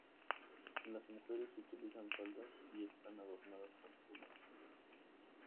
Las mujeres utilizan faldas y están adornadas con plumas.